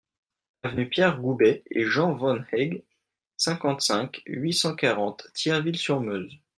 Avenue Pierre Goubet et Jean Van Heeghe, cinquante-cinq, huit cent quarante Thierville-sur-Meuse